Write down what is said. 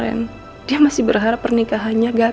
padahal pagi kemarin dia masih berharap pernikahannya gak ada